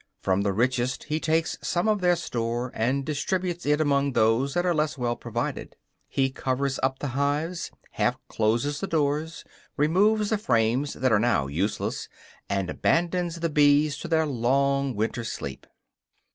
From the richest he takes some of their store, and distributes it among those that are less well provided. He covers up the hives, half closes the doors, removes the frames that now are useless, and abandons the bees to their long winter sleep.